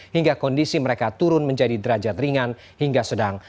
hingga kondisi mereka turun menjadi derajat ringan hingga sedang